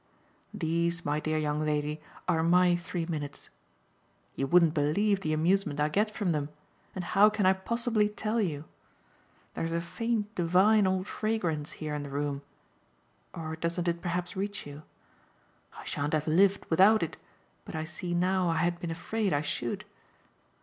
These, my dear young lady, are my three minutes. You wouldn't believe the amusement I get from them, and how can I possibly tell you? There's a faint divine old fragrance here in the room or doesn't it perhaps reach you? I shan't have lived without it, but I see now I had been afraid I should.